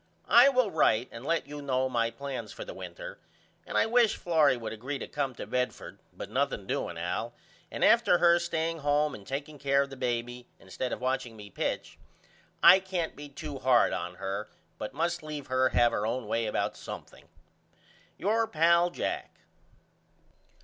I will write and let you know my plans for the winter and I wish Florrie would agree to come to Bedford but nothing doing Al and after her staying home and takeing care of the baby instead of watching me pitch I can't be too hard on her but must leave her have her own way about something. Your pal, JACK.